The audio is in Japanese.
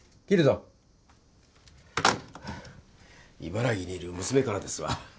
はぁ茨城にいる娘からですわ。